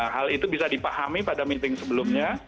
hal itu bisa dipahami pada meeting sebelumnya